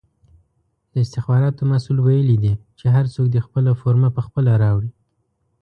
د استخباراتو مسئول ویلې دي چې هر څوک دې خپله فرمه پخپله راوړي!